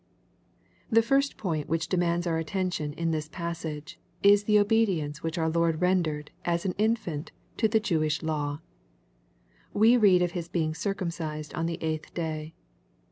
The first point which demands our attention in this passage, is the obedience which our Lord rendered^ as an infant, to the Jewish law. We read of His being circum cised on the eighth day.